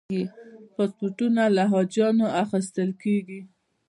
پاسپورتونه له حاجیانو اخیستل کېږي.